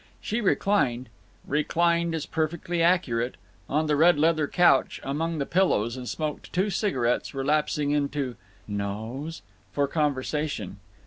She reclined ("reclined" is perfectly accurate) on the red leather couch, among the pillows, and smoked two cigarettes, relapsing into "No?"'s for conversation.